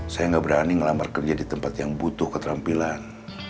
saya nggak berani ngelamar kerja di tempat yang butuh keterampilan